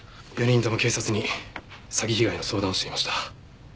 ４人とも警察に詐欺被害の相談をしていました。